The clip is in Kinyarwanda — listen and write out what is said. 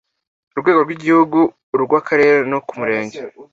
rwego rw Igihugu urw akarere no ku murenge